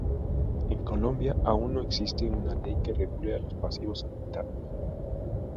En Colombia aún no existe una ley que regule a los Pasivos Ambientales.